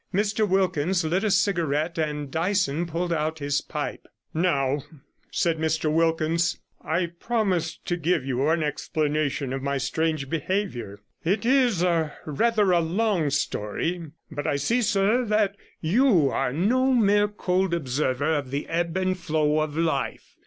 Mr Wilkins lit a cigarette, and Dyson pulled out his pipe. 'Now,' said Mr Wilkins, 'I promised to give you an explanation of my strange behaviour. It is rather a long story, but I see, sir, that you are no mere cold observer of the ebb and flow of life.